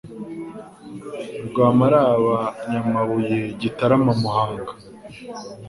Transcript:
Rwamaraba Nyamabuye Gitarama Muhanga